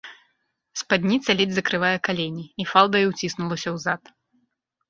Спадніца ледзь закрывае калені і фалдаю ўціснулася ў зад.